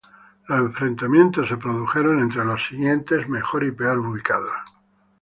Los enfrentamientos se produjeron entre los sucesivos mejor y peor ubicados.